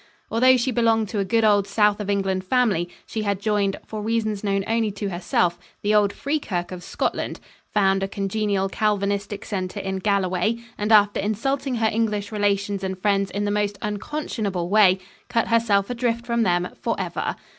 Although she belonged to a good old South of England family, she had joined, for reasons known only to herself, the old Free Kirk of Scotland, found a congenial Calvinistic centre in Galloway, and after insulting her English relations and friends in the most unconscionable way, cut herself adrift from them for ever.